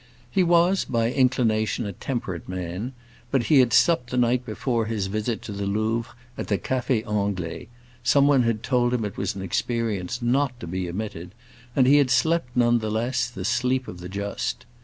He was by inclination a temperate man; but he had supped the night before his visit to the Louvre at the Café Anglais—someone had told him it was an experience not to be omitted—and he had slept none the less the sleep of the just.